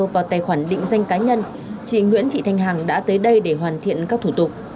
vào tài khoản định danh cá nhân chị nguyễn thị thanh hằng đã tới đây để hoàn thiện các thủ tục